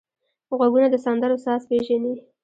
غوږونه د سندرو ساز پېژني